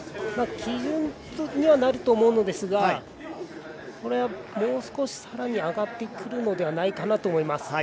基準にはなると思うのですがこれは、もう少しさらに上がってくるのではと思います。